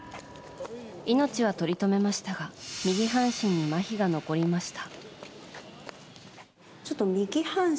命はとりとめましたが右半身にまひが残りました。